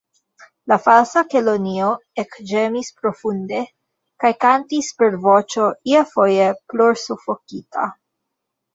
La Falsa Kelonio ekĝemis profunde, kaj kantis per voĉo iafoje plorsufokita.